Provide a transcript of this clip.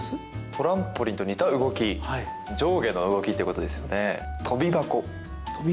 トランポリンと似た動き上下の動きということですよね。